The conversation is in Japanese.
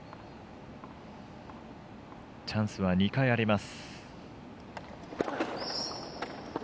チャンスは２回あります。